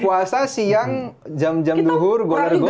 puasa siang jam jam duhur goler goler